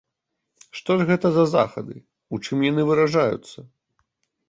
Што ж гэта за захады, у чым яны выражаюцца?